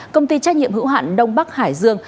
công ty trách nhiệm hữu hạn đông bắc hải dương